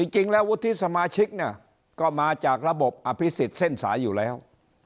จริงแล้ววุฒิสมาชิกเนี่ยก็มาจากระบบอภิษฎเส้นสายอยู่แล้ว